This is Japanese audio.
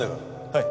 はい。